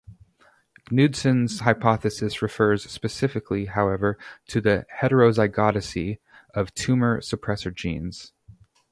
Knudson's hypothesis refers specifically, however, to the heterozygosity of tumor suppressor genes.